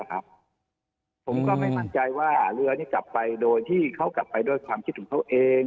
ผมก็ไม่มั่นใจว่าเรือนี้กลับไปโดยที่เขากลับไปด้วยความคิดของเขาเอง